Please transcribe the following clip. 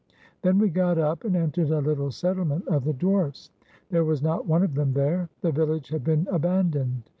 Then we got up and entered the Httle settlement of the dwarfs. There was not one of them there. The village had been abandoned.